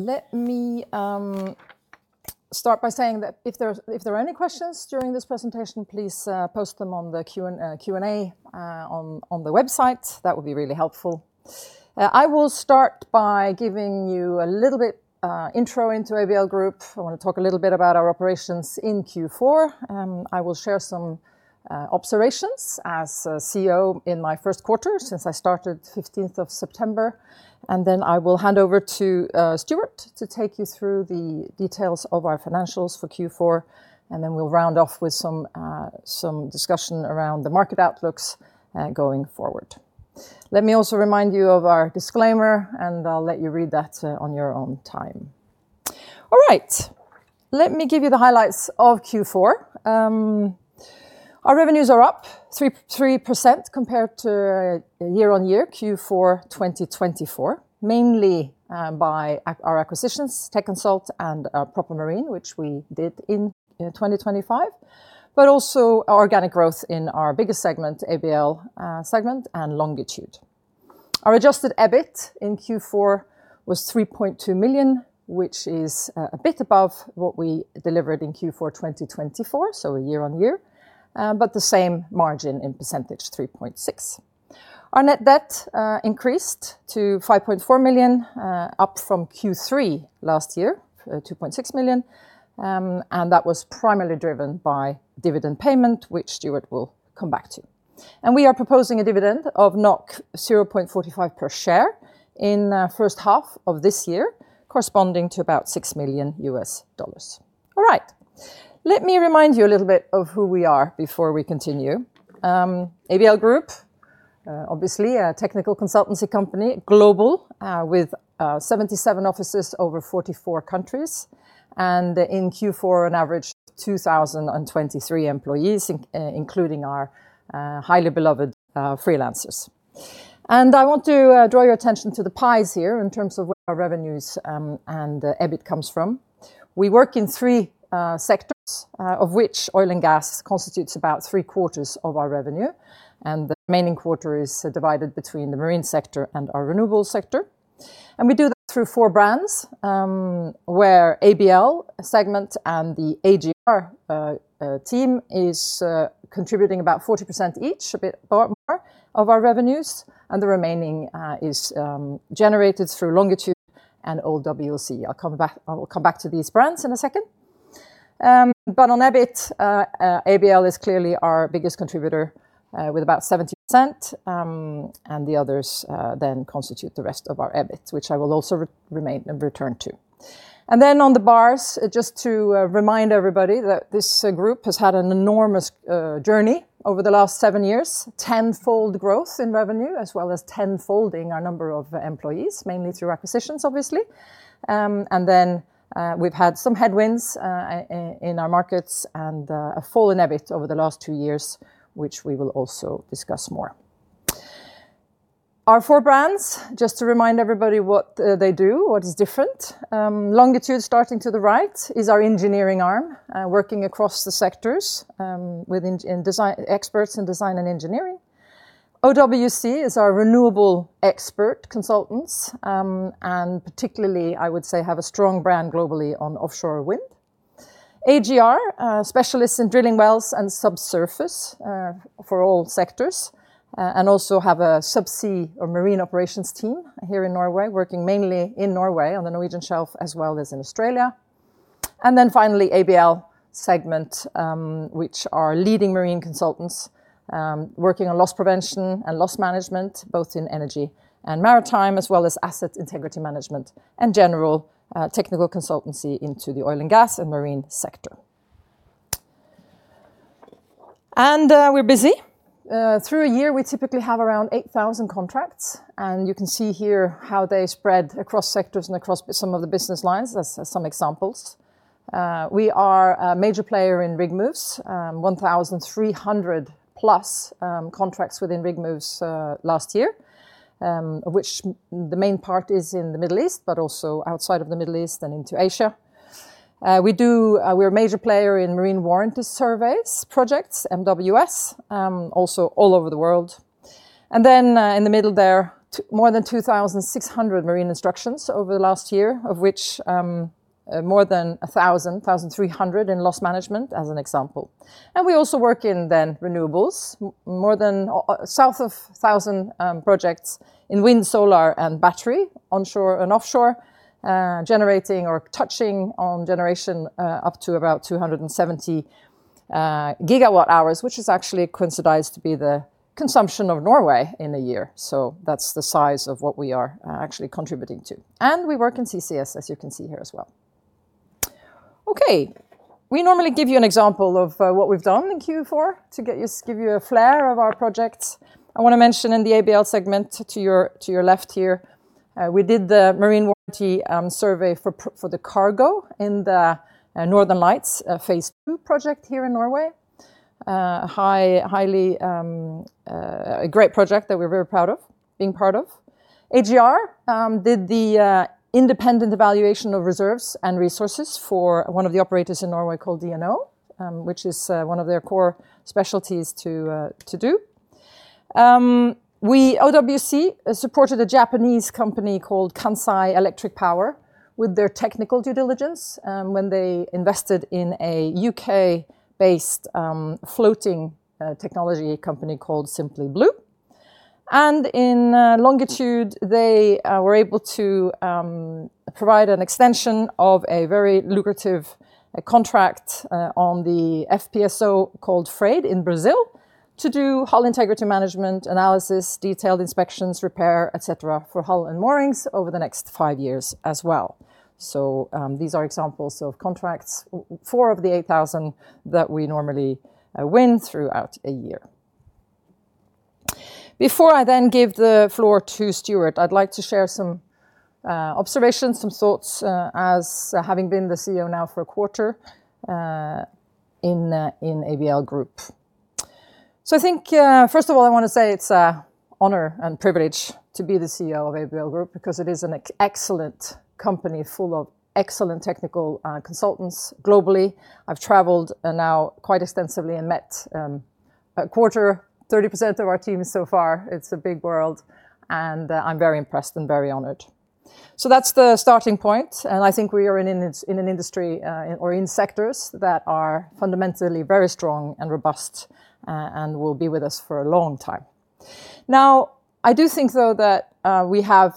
Let me start by saying that if there are any questions during this presentation, please post them on the Q&A on the website. That would be really helpful. I will start by giving you a little bit intro into ABL Group. I wanna talk a little bit about our operations in Q4, I will share some observations as CEO in my first quarter since I started 15th of September, and then I will hand over to Stuart to take you through the details of our financials for Q4, and then we'll round off with some discussion around the market outlooks going forward. Let me also remind you of our disclaimer, and I'll let you read that on your own time. All right. Let me give you the highlights of Q4. Our revenues are up 3% compared to year-on-year Q4 2024, mainly by our acquisitions, Techconsult and Proper Marine, which we did in 2025, also our organic growth in our biggest segment, ABL segment, and Longitude. Our adjusted EBIT in Q4 was $3.2 million, which is a bit above what we delivered in Q4 2024, year-on-year, the same margin in percentage, 3.6%. Our net debt increased to $5.4 million, up from Q3 last year, $2.6 million, that was primarily driven by dividend payment, which Stuart will come back to. We are proposing a dividend of 0.45 per share in first half of this year, corresponding to about $6 million. Let me remind you a little bit of who we are before we continue. ABL Group, obviously a technical consultancy company, global, with 77 offices over 44 countries, and in Q4, an average 2,023 employees, including our highly beloved freelancers. I want to draw your attention to the pies here in terms of where our revenues and EBIT comes from. We work in three sectors, of which oil and gas constitutes about three-quarters of our revenue, and the remaining quarter is divided between the marine sector and our renewables sector. We do that through four brands, where ABL segment and the AGR team is contributing about 40% each, a bit more of our revenues, and the remaining is generated through Longitude and OWC. I will come back to these brands in a second. on EBIT, ABL is clearly our biggest contributor, with about 70%, and the others then constitute the rest of our EBIT, which I will also remain and return to. on the bars, just to remind everybody that this group has had an enormous journey over the last seven years. Tenfold growth in revenue, as well as ten-folding our number of employees, mainly through acquisitions, obviously. we've had some headwinds in our markets and a fall in EBIT over the last two years, which we will also discuss more. Our four brands, just to remind everybody what they do, what is different. Longitude, starting to the right, is our engineering arm, working across the sectors, experts in design and engineering. OWC is our renewable expert consultants, particularly, I would say, have a strong brand globally on offshore wind. AGR, specialists in drilling wells and subsurface, for all sectors, also have a subsea or marine operations team here in Norway, working mainly in Norway, on the Norwegian Shelf, as well as in Australia. Finally, ABL segment, which are leading marine consultants, working on loss prevention and loss management, both in energy and maritime, as well as asset integrity management and general technical consultancy into the oil and gas and marine sector. We're busy. Through a year, we typically have around 8,000 contracts, and you can see here how they spread across sectors and across some of the business lines. That's some examples. We are a major player in rig moves, 1,300+ contracts within rig moves last year, which the main part is in the Middle East, but also outside of the Middle East and into Asia. We're a major player in marine warranty surveys, projects, MWS, also all over the world. In the middle there, more than 2,600 marine instructions over the last year, of which, more than 1,000, 1,300 in loss management, as an example. We also work in renewables, more than 1,000 projects in wind, solar, and battery, onshore and offshore, generating or touching on generation, up to about 270 GWh, which is actually coincided to be the consumption of Norway in a year. That's the size of what we are actually contributing to. We work in CCS, as you can see here as well. We normally give you an example of what we've done in Q4 to give you a flare of our projects. I want to mention in the ABL segment, to your left here, we did the marine warranty survey for the cargo in the Northern Lights Phase 2 project here in Norway. Highly a great project that we're very proud of, being part of. AGR did the independent evaluation of reserves and resources for one of the operators in Norway called DNO, which is one of their core specialties to do. We, OWC, supported a Japanese company called Kansai Electric Power with their technical due diligence when they invested in a U.K.-based floating technology company called Simply Blue Group. In Longitude, they were able to provide an extension of a very lucrative contract on the FPSO called Peregrino in Brazil, to do hull integrity management analysis, detailed inspections, repair, et cetera, for hull and moorings over the next five years as well. These are examples of contracts, four of the 8,000 that we normally win throughout a year. Before I give the floor to Stuart, I'd like to share some observations, some thoughts, as having been the CEO now for a quarter in ABL Group. I think, first of all, I want to say it's a honor and privilege to be the CEO of ABL Group because it is an excellent company full of excellent technical consultants globally. I've traveled now quite extensively and met a quarter, 30% of our team so far. It's a big world, I'm very impressed and very honored. That's the starting point, and I think we are in an industry, or in sectors that are fundamentally very strong and robust, and will be with us for a long time. I do think, though, that we have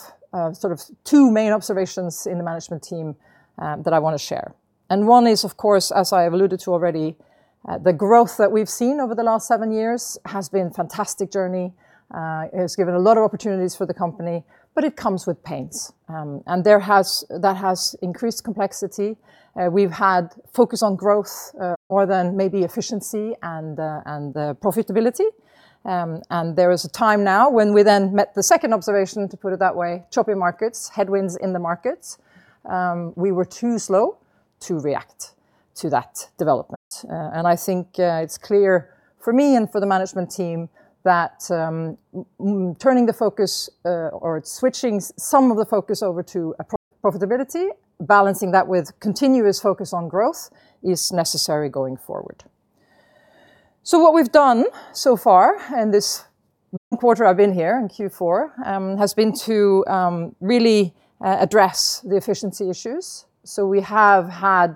sort of two main observations in the management team that I want to share. One is, of course, as I alluded to already, the growth that we've seen over the last seven years has been a fantastic journey, it has given a lot of opportunities for the company, but it comes with pains. That has increased complexity. We've had focus on growth more than maybe efficiency and the profitability. There is a time now when we then met the second observation, to put it that way, choppy markets, headwinds in the markets. We were too slow to react to that development. I think it's clear for me and for the management team that turning the focus or switching some of the focus over to profitability, balancing that with continuous focus on growth, is necessary going forward. What we've done so far in this one quarter I've been here, in Q4, has been to really address the efficiency issues. We have had,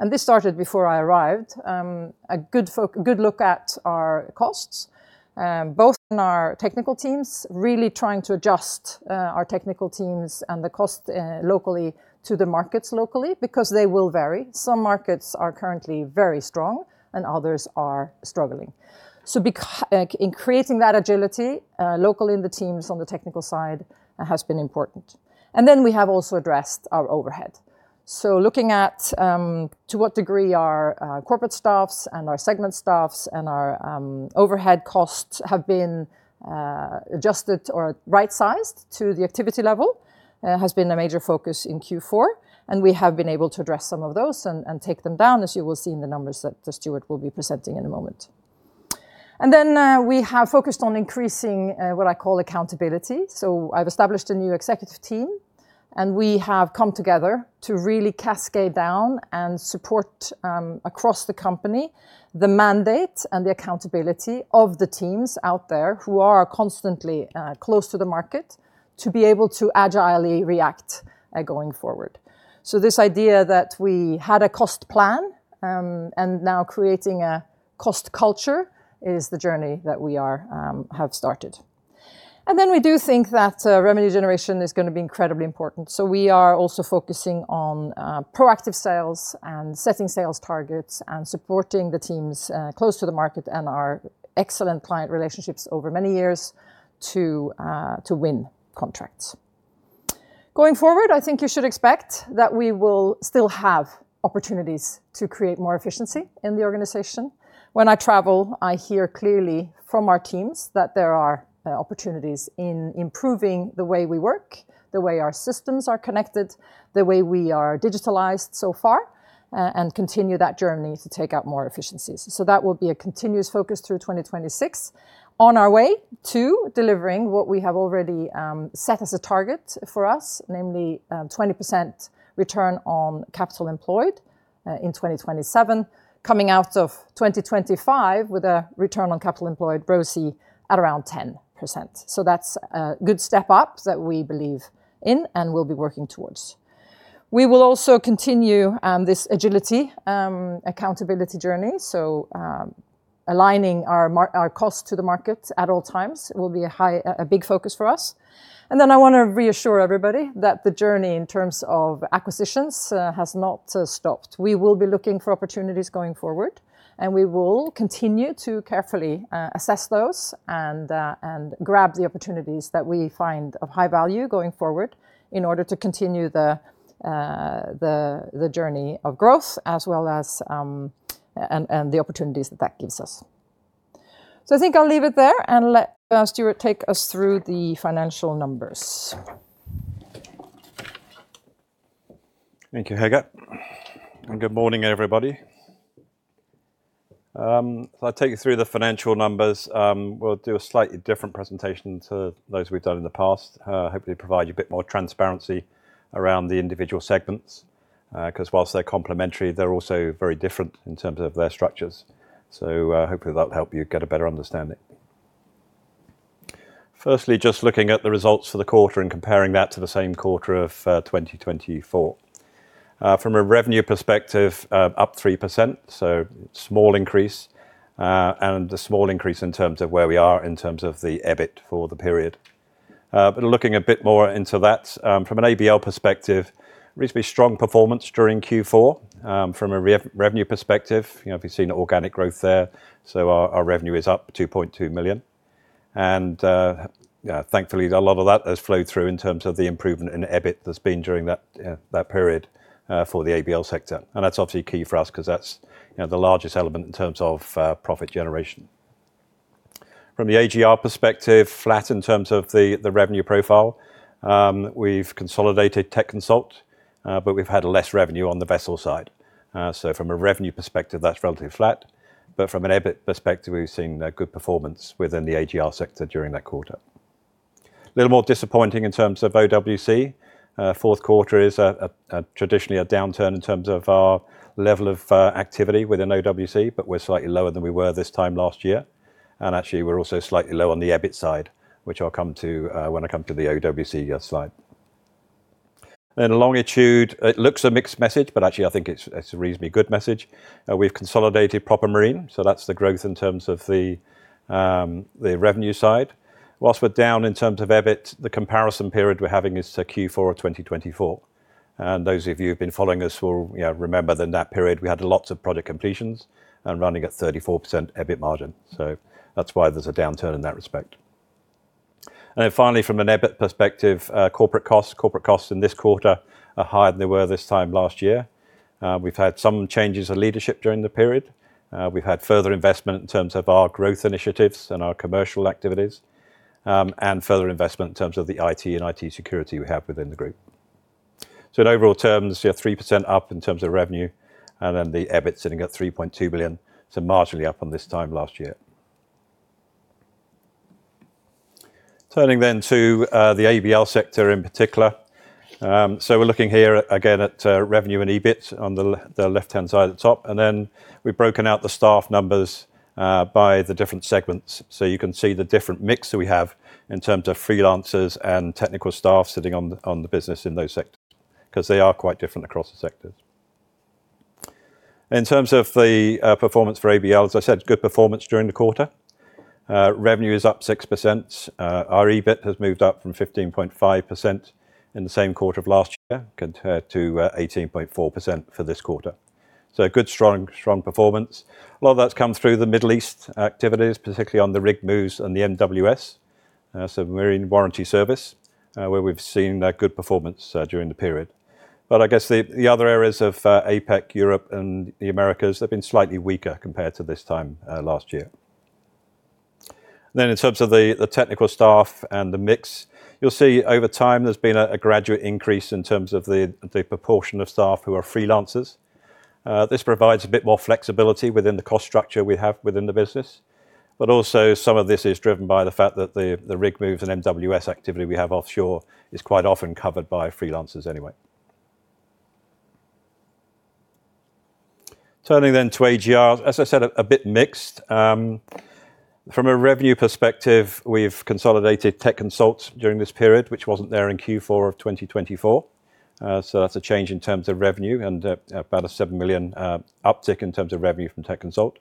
and this started before I arrived, a good look at our costs, both in our technical teams, really trying to adjust our technical teams and the cost locally to the markets locally, because they will vary. Some markets are currently very strong, and others are struggling. In creating that agility locally in the teams on the technical side has been important. We have also addressed our overhead. Looking at to what degree our corporate staffs and our segment staffs and our overhead costs have been adjusted or right-sized to the activity level has been a major focus in Q4, and we have been able to address some of those and take them down, as you will see in the numbers that Stuart will be presenting in a moment. We have focused on increasing what I call accountability. I've established a new executive team, and we have come together to really cascade down and support across the company, the mandate and the accountability of the teams out there who are constantly close to the market, to be able to agilely react going forward. This idea that we had a cost plan, and now creating a cost culture, is the journey that we are have started. We do think that revenue generation is going to be incredibly important. We are also focusing on proactive sales and setting sales targets and supporting the teams close to the market and our excellent client relationships over many years to win contracts. Going forward, I think you should expect that we will still have opportunities to create more efficiency in the organization. When I travel, I hear clearly from our teams that there are opportunities in improving the way we work, the way our systems are connected, the way we are digitalized so far, and continue that journey to take out more efficiencies. That will be a continuous focus through 2026 on our way to delivering what we have already set as a target for us, namely, 20% return on capital employed in 2027, coming out of 2025 with a return on capital employed ROCE at around 10%. That's a good step up that we believe in and will be working towards. We will also continue this agility, accountability journey. Aligning our costs to the market at all times will be a high, a big focus for us. I want to reassure everybody that the journey in terms of acquisitions has not stopped. We will be looking for opportunities going forward, and we will continue to carefully assess those and grab the opportunities that we find of high value going forward in order to continue the journey of growth as well as, and the opportunities that that gives us. I think I'll leave it there and let Stuart take us through the financial numbers. Thank you, Hege, and good morning, everybody. As I take you through the financial numbers, we'll do a slightly different presentation to those we've done in the past. Hopefully, provide you a bit more transparency around the individual segments. Because whilst they're complementary, they're also very different in terms of their structures. Hopefully, that'll help you get a better understanding. Firstly, just looking at the results for the quarter and comparing that to the same quarter of 2024. From a revenue perspective, up 3%, so small increase, and a small increase in terms of where we are in terms of the EBIT for the period. Looking a bit more into that, from an ABL perspective, reasonably strong performance during Q4. From a revenue perspective, you know, we've seen organic growth there, our revenue is up $2.2 million. Yeah, thankfully, a lot of that has flowed through in terms of the improvement in EBIT that's been during that period for the ABL sector. That's obviously key for us 'cause that's, you know, the largest element in terms of profit generation. From the AGR perspective, flat in terms of the revenue profile. We've consolidated Techconsult, we've had less revenue on the vessel side. From a revenue perspective, that's relatively flat, from an EBIT perspective, we've seen a good performance within the AGR sector during that quarter. A little more disappointing in terms of OWC. Fourth quarter is traditionally a downturn in terms of our level of activity within OWC, but we're slightly lower than we were this time last year. We're also slightly low on the EBIT side, which I'll come to when I come to the OWC slide. Longitude, it looks a mixed message, but actually, I think it's a reasonably good message. We've consolidated Proper Marine, so that's the growth in terms of the revenue side. Whilst we're down in terms of EBIT, the comparison period we're having is to Q4 of 2024, and those of you who've been following us will, you know, remember that in that period we had lots of project completions and running at 34% EBIT margin. That's why there's a downturn in that respect. From an EBIT perspective, corporate costs. Corporate costs in this quarter are higher than they were this time last year. We've had some changes in leadership during the period. We've had further investment in terms of our growth initiatives and our commercial activities, and further investment in terms of the IT and IT security we have within the group. In overall terms, we are 3% up in terms of revenue, the EBIT sitting at $3.2 billion, marginally up on this time last year. The ABL sector in particular. We're looking here again at revenue and EBIT on the left-hand side at the top, we've broken out the staff numbers by the different segments. You can see the different mix that we have in terms of freelancers and technical staff sitting on the, on the business in those sectors, 'cause they are quite different across the sectors. In terms of the performance for ABL, as I said, good performance during the quarter. Revenue is up 6%. Our EBIT has moved up from 15.5% in the same quarter of last year, compared to 18.4% for this quarter. A good, strong performance. A lot of that's come through the Middle East activities, particularly on the rig moves and the MWS, so Marine Warranty Service, where we've seen a good performance during the period. I guess the other areas of APAC, Europe, and the Americas have been slightly weaker compared to this time last year. In terms of the technical staff and the mix, you'll see over time there's been a gradual increase in terms of the proportion of staff who are freelancers. This provides a bit more flexibility within the cost structure we have within the business, but also some of this is driven by the fact that the rig moves and MWS activity we have offshore is quite often covered by freelancers anyway. Turning to AGR. As I said, a bit mixed. From a revenue perspective, we've consolidated Techconsult during this period, which wasn't there in Q4 of 2024. So that's a change in terms of revenue and about a $7 million uptick in terms of revenue from Techconsult.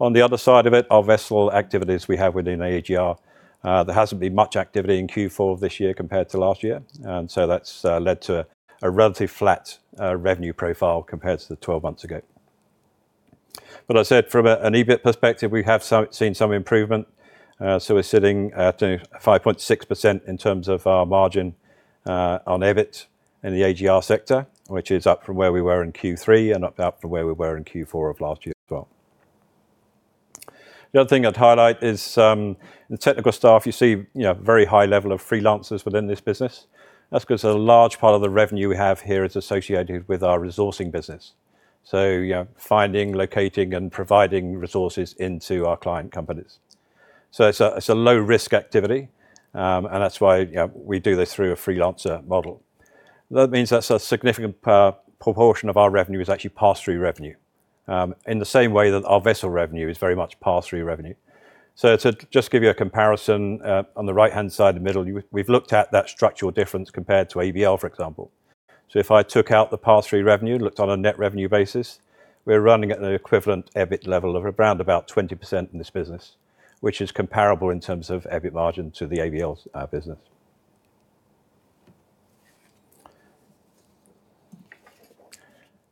On the other side of it, our vessel activities we have within AGR, there hasn't been much activity in Q4 of this year compared to last year, that's led to a relatively flat revenue profile compared to the 12 months ago. I said from an EBIT perspective, we have seen some improvement, so we're sitting at a 5.6% in terms of our margin on EBIT in the AGR sector, which is up from where we were in Q3 and up from where we were in Q4 of last year as well. The other thing I'd highlight is, the technical staff, you see, you know, very high level of freelancers within this business. That's 'cause a large part of the revenue we have here is associated with our resourcing business. You know, finding, locating, and providing resources into our client companies. It's a low-risk activity, and that's why, you know, we do this through a freelancer model. That means that a significant proportion of our revenue is actually pass-through revenue, in the same way that our vessel revenue is very much pass-through revenue. To just give you a comparison, on the right-hand side in the middle, we've looked at that structural difference compared to ABL, for example. If I took out the pass-through revenue, looked on a net revenue basis, we're running at an equivalent EBIT level of around about 20% in this business, which is comparable in terms of EBIT margin to the ABL business.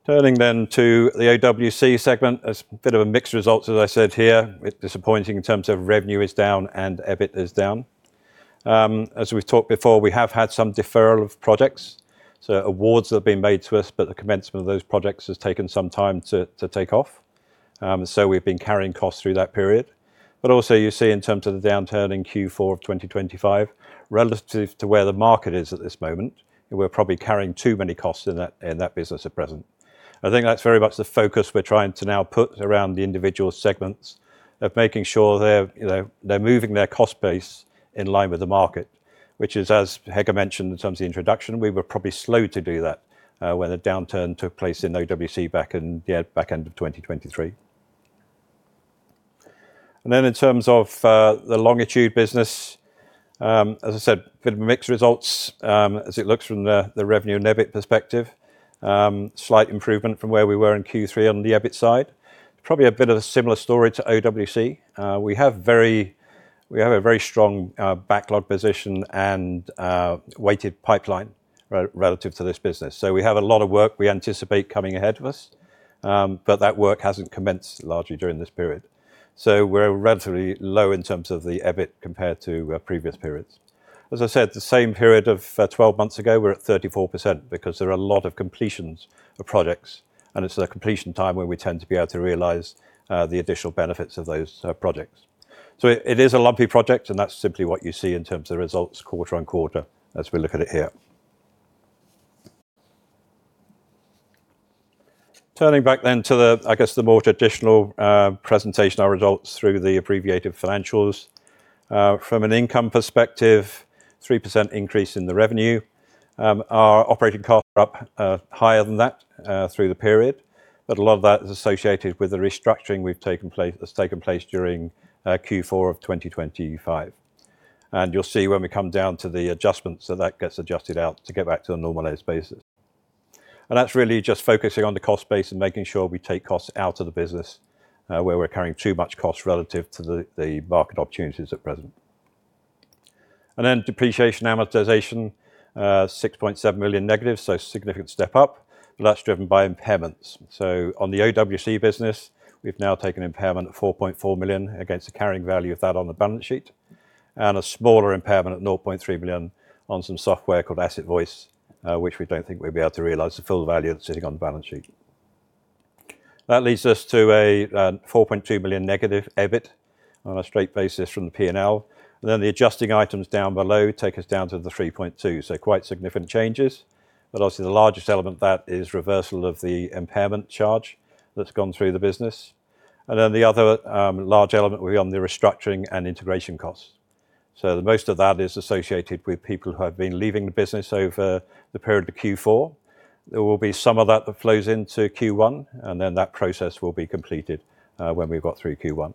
To the OWC segment. As a bit of a mixed results, as I said here, it's disappointing in terms of revenue is down and EBIT is down. As we've talked before, we have had some deferral of projects, so awards have been made to us, but the commencement of those projects has taken some time to take off. So we've been carrying costs through that period. Also, you see, in terms of the downturn in Q4 of 2025, relative to where the market is at this moment, we're probably carrying too many costs in that business at present. I think that's very much the focus we're trying to now put around the individual segments of making sure they're, you know, they're moving their cost base in line with the market, which is, as Hege mentioned in terms of the introduction, we were probably slow to do that when the downturn took place in OWC back in back end of 2023. In terms of the Longitude business, as I said, bit of a mixed results as it looks from the revenue and EBIT perspective. Slight improvement from where we were in Q3 on the EBIT side. Probably a bit of a similar story to OWC. We have a very strong backlog position and weighted pipeline relative to this business. We have a lot of work we anticipate coming ahead of us, but that work hasn't commenced largely during this period. We're relatively low in terms of the EBIT compared to previous periods. As I said, the same period of 12 months ago, we were at 34% because there are a lot of completions of projects, and it's the completion time where we tend to be able to realize the additional benefits of those projects. It is a lumpy project, and that's simply what you see in terms of results quarter-on-quarter, as we look at it here. Turning back to the, I guess, the more traditional presentation, our results through the abbreviated financials. From an income perspective, 3% increase in the revenue. Our operating costs are up, higher than that, through the period, but a lot of that is associated with the restructuring that's taken place during Q4 of 2025. You'll see when we come down to the adjustments, that gets adjusted out to go back to a normalized basis. That's really just focusing on the cost base and making sure we take costs out of the business where we're carrying too much cost relative to the market opportunities at present. Depreciation amortization, $6.7 million negative, so a significant step up, but that's driven by impairments. On the OWC business, we've now taken impairment of $4.4 million against the carrying value of that on the balance sheet, and a smaller impairment at $0.3 million on some software called AssetVoice, which we don't think we'll be able to realize the full value that's sitting on the balance sheet. That leads us to a $4.2 billion negative EBIT on a straight basis from the P&L. The adjusting items down below take us down to the $3.2 billion, quite significant changes. Obviously, the largest element of that is reversal of the impairment charge that's gone through the business. The other large element will be on the restructuring and integration costs. Most of that is associated with people who have been leaving the business over the period of Q4. There will be some of that that flows into Q1, and then that process will be completed when we've got through Q1.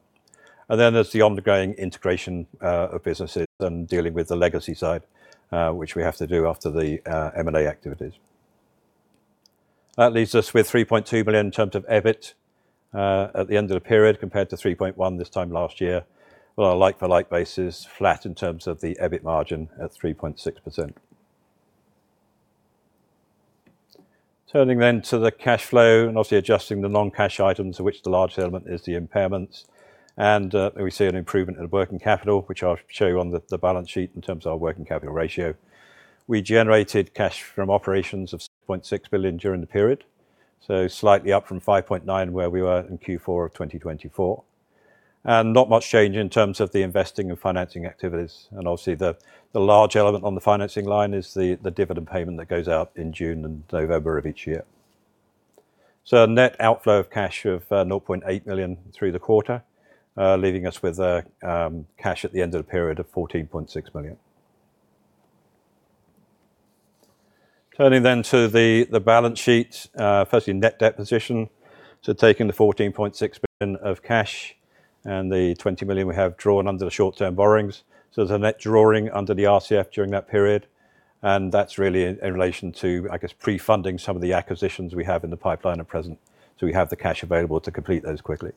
There's the ongoing integration of businesses and dealing with the legacy side, which we have to do after the M&A activities. That leaves us with $3.2 billion in terms of EBIT at the end of the period, compared to $3.1 billion this time last year. Well, on a like-for-like basis, flat in terms of the EBIT margin at 3.6%. Turning then to the cash flow, and obviously adjusting the non-cash items, of which the largest element is the impairments. We see an improvement in working capital, which I'll show you on the balance sheet in terms of our working capital ratio. We generated cash from operations of $6.6 billion during the period, slightly up from $5.9 billion, where we were in Q4 of 2024. Not much change in terms of the investing and financing activities, and obviously, the large element on the financing line is the dividend payment that goes out in June and November of each year. A net outflow of cash of $0.8 million through the quarter, leaving us with a cash at the end of the period of $14.6 million. Turning to the balance sheet, firstly, net debt position. Taking the $14.6 billion of cash and the $20 million we have drawn under the short-term borrowings. There's a net drawing under the RCF during that period, and that's really in relation to, I guess, pre-funding some of the acquisitions we have in the pipeline at present, so we have the cash available to complete those quickly.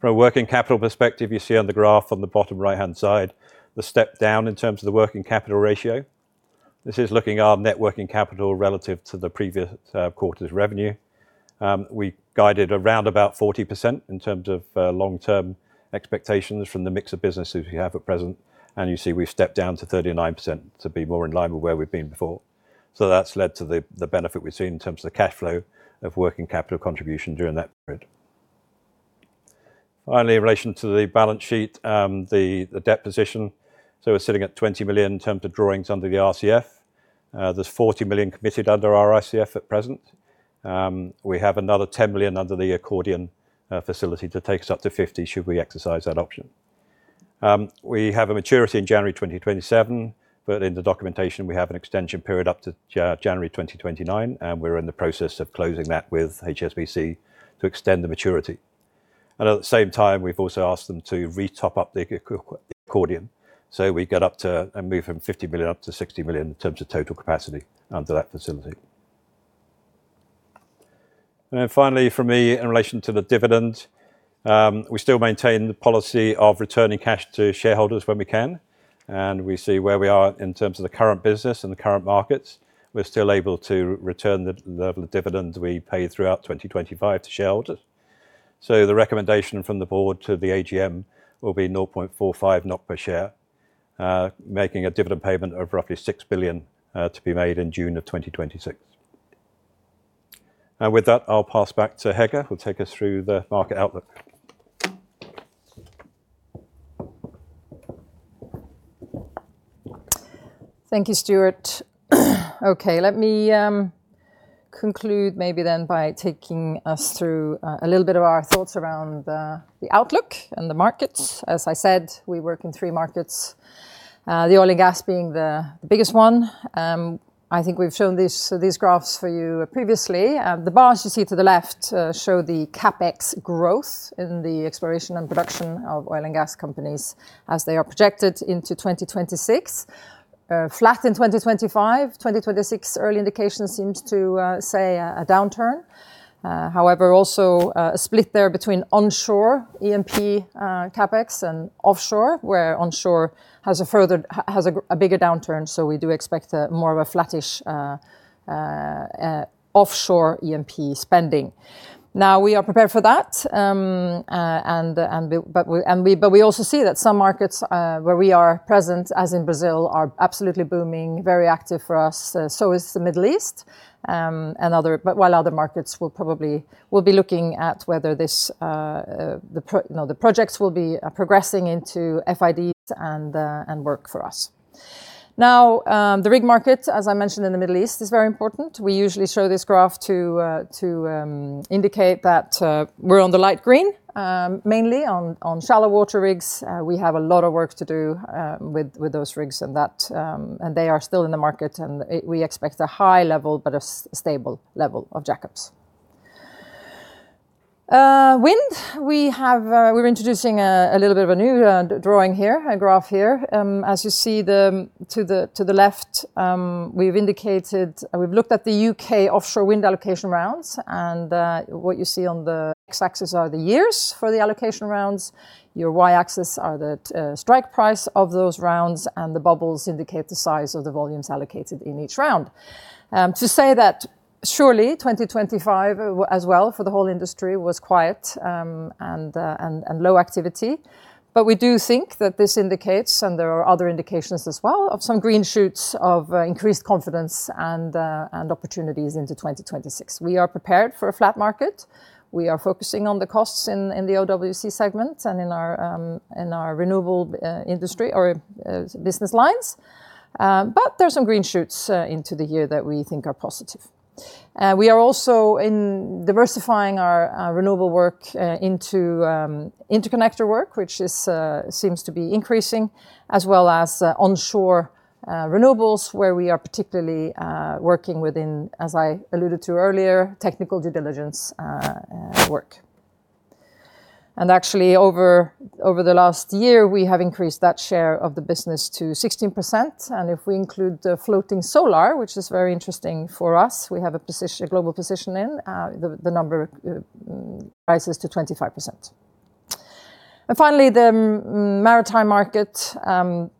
From a working capital perspective, you see on the graph on the bottom right-hand side, the step down in terms of the working capital ratio. This is looking at our net working capital relative to the previous quarter's revenue. We guided around about 40% in terms of long-term expectations from the mix of businesses we have at present, and you see we've stepped down to 39% to be more in line with where we've been before. That's led to the benefit we've seen in terms of the cash flow of working capital contribution during that period. Finally, in relation to the balance sheet, the debt position, we're sitting at $20 million in terms of drawings under the RCF. There's $40 million committed under our RCF at present. We have another $10 million under the accordion facility that takes us up to $50 million, should we exercise that option. We have a maturity in January 2027, but in the documentation, we have an extension period up to January 2029, and we're in the process of closing that with HSBC to extend the maturity. At the same time, we've also asked them to retop up the accordion, so we get up to and move from $50 million up to $60 million in terms of total capacity under that facility. Finally, for me, in relation to the dividend, we still maintain the policy of returning cash to shareholders when we can, and we see where we are in terms of the current business and the current markets. We're still able to return the level of dividends we paid throughout 2025 to shareholders. The recommendation from the Board to the AGM will be 0.45 per share, making a dividend payment of roughly 6 billion, to be made in June of 2026. With that, I'll pass back to Hege, who'll take us through the market outlook. Thank you, Stuart. Okay, let me conclude maybe then by taking us through a little bit of our thoughts around the outlook and the market. As I said, we work in three markets, the oil and gas being the biggest one. I think we've shown these graphs for you previously. The bars you see to the left show the CapEx growth in the exploration and production of oil and gas companies as they are projected into 2026. Flat in 2025. 2026, early indications seems to say a downturn. However, also, a split there between onshore E&P CapEx and offshore, where onshore has a bigger downturn, so we do expect more of a flattish offshore E&P spending. We are prepared for that, but we also see that some markets where we are present, as in Brazil, are absolutely booming, very active for us, so is the Middle East, and other. While other markets will probably be looking at whether this, you know, the projects will be progressing into FIDs and work for us. The rig market, as I mentioned, in the Middle East, is very important. We usually show this graph to indicate that we're on the light green, mainly on shallow water rigs. We have a lot of work to do with those rigs and that. They are still in the market, and we expect a high level, but a stable level of jackups. Wind, we have, we're introducing a little bit of a new drawing here, a graph here. As you see the, to the, to the left, we've indicated, we've looked at the U.K. offshore wind allocation rounds. What you see on the X-axis are the years for the allocation rounds. Your Y-axis are the strike price of those rounds. The bubbles indicate the size of the volumes allocated in each round. To say that surely 2025, as well for the whole industry, was quiet, and low activity. We do think that this indicates, and there are other indications as well, of some green shoots of increased confidence and opportunities into 2026. We are prepared for a flat market. We are focusing on the costs in the OWC segment and in our renewable industry or business lines. There are some green shoots into the year that we think are positive. We are also diversifying our renewable work into interconnector work, which seems to be increasing, as well as onshore renewables, where we are particularly working within, as I alluded to earlier, technical due diligence work. Actually, over the last year, we have increased that share of the business to 16%, and if we include the floating solar, which is very interesting for us, we have a global position in the number rises to 25%. Finally, the maritime market.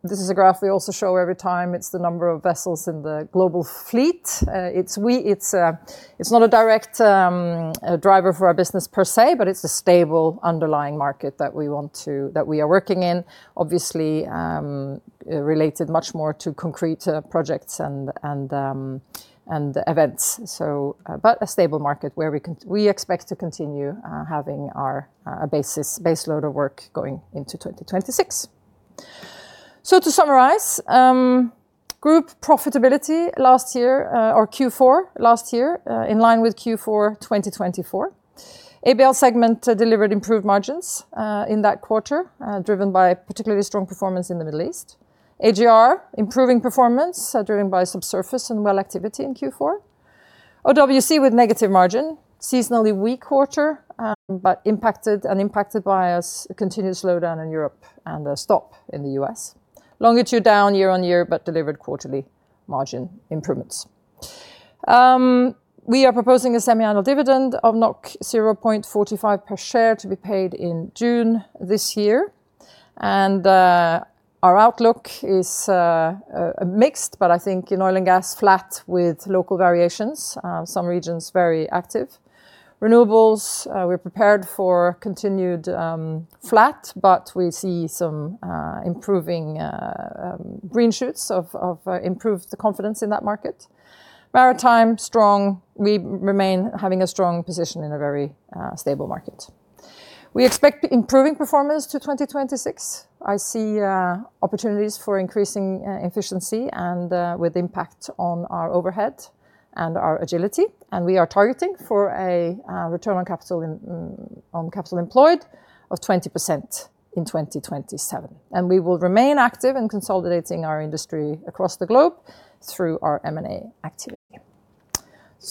This is a graph we also show every time. It's the number of vessels in the global fleet. It's not a direct driver for our business per se, but it's a stable underlying market that we are working in. Obviously, related much more to concrete projects and events, but a stable market where we expect to continue having our basis, base load of work going into 2026. To summarize, group profitability last year, or Q4 last year, in line with Q4 2024. ABL segment delivered improved margins in that quarter, driven by particularly strong performance in the Middle East. AGR, improving performance, driven by subsurface and well activity in Q4. OWC with negative margin, seasonally weak quarter, but impacted by a continuous slowdown in Europe and a stop in the U.S. Longitude down year-on-year, but delivered quarterly margin improvements. We are proposing a semi-annual dividend of 0.45 per share to be paid in June this year. Our outlook is mixed, but I think in oil and gas, flat with local variations, some regions very active. Renewables, we're prepared for continued flat, but we see some improving green shoots of improved confidence in that market. Maritime, strong. We remain having a strong position in a very stable market. We expect improving performance to 2026. I see opportunities for increasing efficiency and with impact on our overhead and our agility, and we are targeting for a return on capital employed of 20% in 2027. We will remain active in consolidating our industry across the globe through our M&A activity.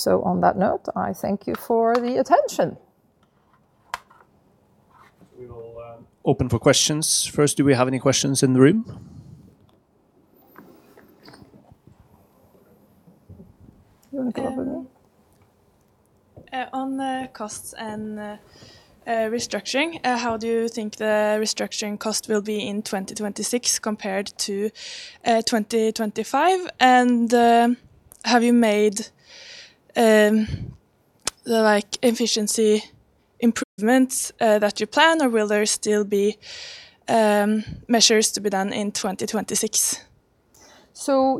On that note, I thank you for the attention. We will open for questions. First, do we have any questions in the room? You wanna go up there? On the costs and restructuring, how do you think the restructuring cost will be in 2026 compared to 2025? Have you made, like, efficiency improvements that you plan, or will there still be measures to be done in 2026?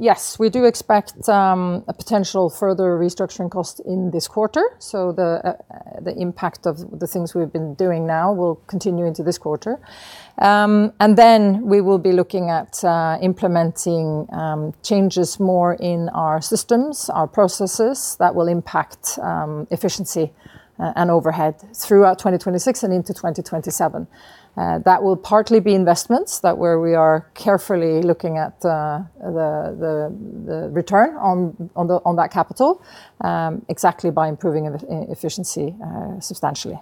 Yes, we do expect a potential further restructuring cost in this quarter. The impact of the things we've been doing now will continue into this quarter. We will be looking at implementing changes more in our systems, our processes, that will impact efficiency and overhead throughout 2026 and into 2027. That will partly be investments that where we are carefully looking at the return on that capital exactly by improving efficiency substantially.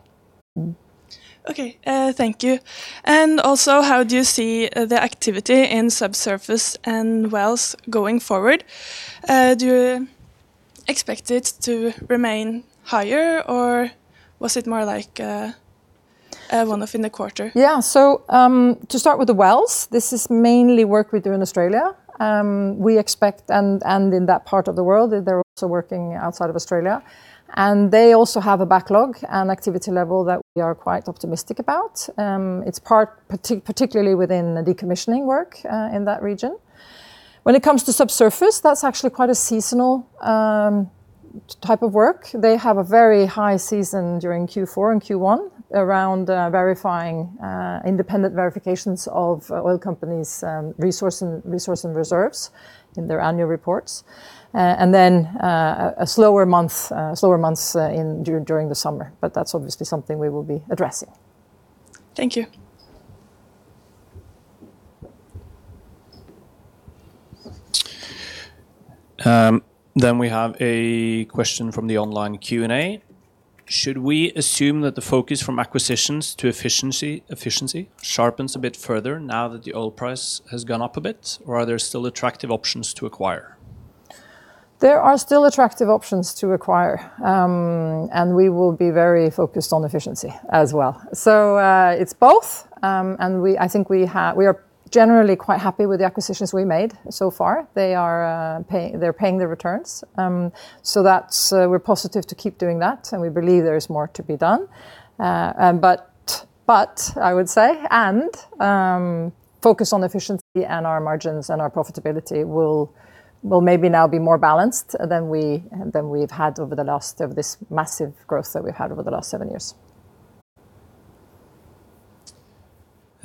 Okay, thank you. Also, how do you see the activity in subsurface and wells going forward? Do you expect it to remain higher, or was it more like a one-off in the quarter? To start with the wells, this is mainly work we do in Australia. We expect, and in that part of the world, they're also working outside of Australia, and they also have a backlog and activity level that we are quite optimistic about. Particularly within the decommissioning work in that region. When it comes to subsurface, that's actually quite a seasonal type of work. They have a very high season during Q4 and Q1 around verifying independent verifications of oil companies' resource and reserves in their annual reports. Then a slower month, slower months during the summer, but that's obviously something we will be addressing. Thank you. We have a question from the online Q&A. Should we assume that the focus from acquisitions to efficiency, sharpens a bit further now that the oil price has gone up a bit, or are there still attractive options to acquire? There are still attractive options to acquire, and we will be very focused on efficiency as well. It's both, and I think we are generally quite happy with the acquisitions we made so far. They're paying their returns. That's, we're positive to keep doing that, and we believe there is more to be done. I would say, and focus on efficiency and our margins, and our profitability will maybe now be more balanced than we've had over the last seven years.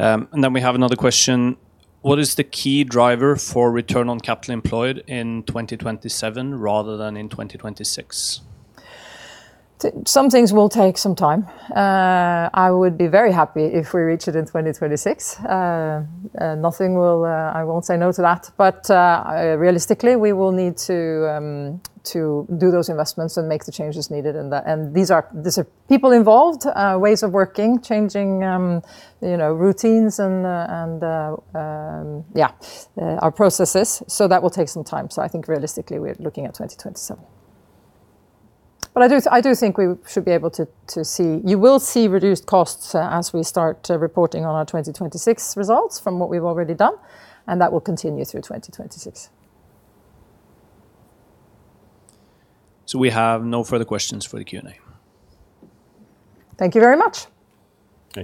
We have another question: What is the key driver for return on capital employed in 2027 rather than in 2026? Some things will take some time. I would be very happy if we reach it in 2026. Nothing will, I won't say no to that, but realistically, we will need to do those investments and make the changes needed, and these are people involved, ways of working, changing, you know, routines and, yeah, our processes. That will take some time. I think realistically, we're looking at 2027. I do think we should be able to see you will see reduced costs as we start reporting on our 2026 results from what we've already done, and that will continue through 2026. We have no further questions for the Q&A. Thank you very much. Thank you.